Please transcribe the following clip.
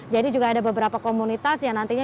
jadi juga ada beberapa komunitas yang nantinya